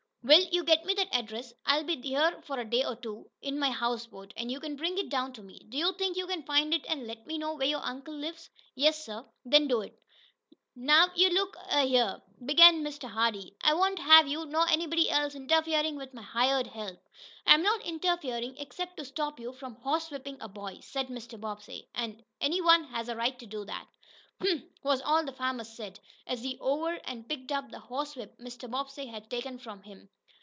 "Will, you get me that address. I'll be here a day or so, in my houseboat, and you can bring it down to me. Do you think you can find it, and let me know where your uncle lives?" "Yes, sir." "Then do it." "Now you look a here!" began Mr. Hardee, "I won't have you, nor anybody else, interferin' with my hired help. I " "I'm not interfering except to stop you from horsewhipping a boy," said Mr. Bobbsey. "Any one has a right to do that." "Humph!" was all the farmer said, as he over and picked up the horsewhip Mr. Bobbsey had taken from him.